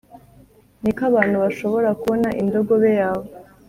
niko abantu bashobora kubona indogobe yawe